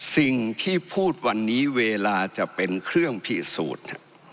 สิ่งที่พูดวันนี้เวลาจะเป็นเครื่องพิสูจน์